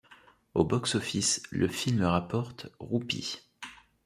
Au box-office le film rapporte roupies.